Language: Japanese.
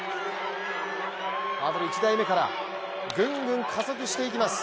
ハードル１台目からぐんぐん加速していきます。